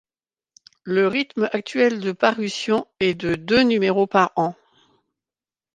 Le rythme actuel de parution est de deux numéros par an.